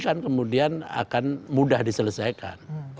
kan kemudian akan mudah diselesaikan